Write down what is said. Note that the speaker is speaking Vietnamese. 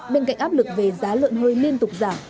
bên cạnh áp lực về giá lợn hơi liên tục giảm